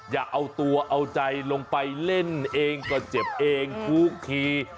อย่าเอาตัวเอาใจลงไปเล่นเองก็เจ็บเองทุกที